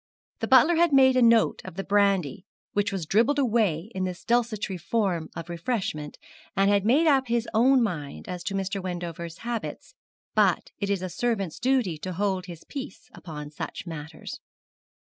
The butler had made a note of the brandy which was dribbled away in this desultory form of refreshment, and had made up his own mind as to Mr. Wendover's habits; but it is a servant's duty to hold his peace upon such matters.